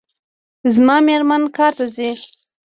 زما میرمن کار ته ځي